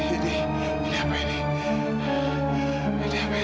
aku jahat pertama kali meng phones world cup ini